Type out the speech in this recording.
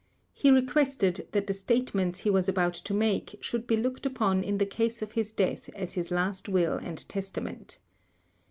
He requested that the statements he was about to make should be looked upon in the case of his death as his last will and testament.